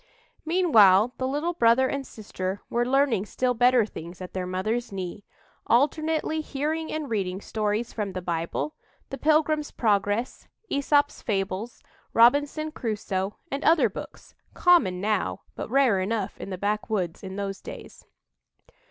Meanwhile the little brother and sister were learning still better things at their mother's knee, alternately hearing and reading stories from the Bible, "The Pilgrim's Progress," "Æsop's Fables," "Robinson Crusoe," and other books, common now, but rare enough in the backwoods in those days.